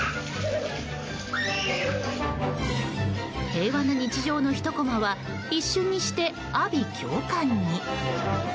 平和な日常のひとコマは一瞬にして阿鼻叫喚に。